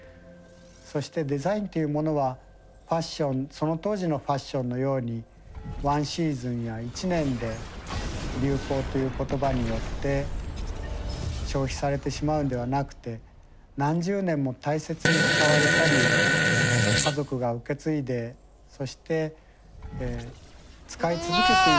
そしてデザインというものはその当時のファッションのようにワンシーズンや１年で流行という言葉によって消費されてしまうんではなくて何十年も大切に使われたり家族が受け継いでそして使い続けていくということができるんではないか。